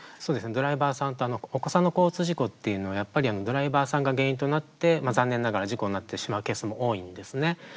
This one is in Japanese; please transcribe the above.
ドライバーさんとお子さんの交通事故っていうのはドライバーさんが原因となって残念ながら事故になってしまうケースも多いんですね。